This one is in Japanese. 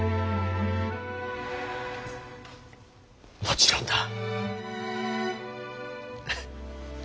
もちろんだ。